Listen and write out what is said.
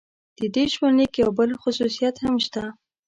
د دې ژوندلیک یو بل خصوصیت هم شته.